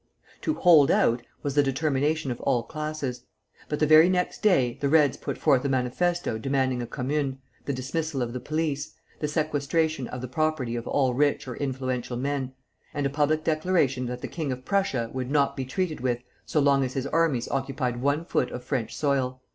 To hold out was the determination of all classes; but the very next day the Reds put forth a manifesto demanding a commune, the dismissal of the police, the sequestration of the property of all rich or influential men, and a public declaration that the king of Prussia would not be treated with so long as his armies occupied one foot of French soil.